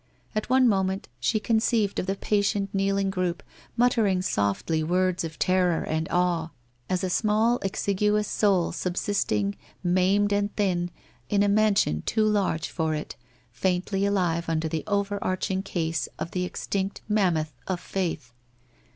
At one moment she conceived of the patient kneeling group, muttering softly words of terror and awe, as a small exiguous soul subsisting, maimed and thin, in a mansion too large for it, faintly alive under the over arching case of the extinct mammoth of faith.